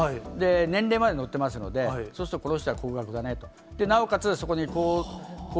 年齢まで載ってますので、すると、この人は高額だねと。